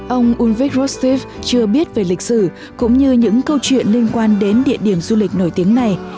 ông ulrich rostep chưa biết về lịch sử cũng như những câu chuyện liên quan đến địa điểm du lịch nổi tiếng này